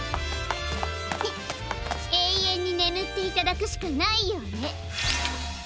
えいえんにねむっていただくしかないようね！